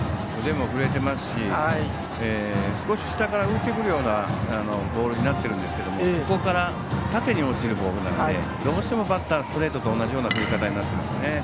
腕も振れてますし少し下から浮いてくるようなボールになっているんですがそこから縦に落ちるボールなのでどうしてもバッターはストレートと同じような振り方になっていますね。